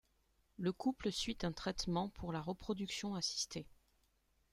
Le couple suit un traitement pour la reproduction assistée.